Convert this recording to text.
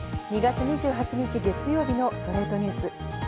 ２月２８日、月曜日の『ストレイトニュース』。